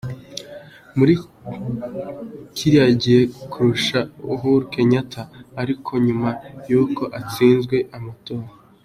muri kiriya gihe kurusha Uhuru Kenyatta ariko nyuma yuko atsinzwe amatora.